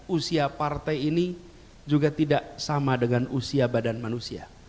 usia partai ini juga tidak sama dengan usia badan manusia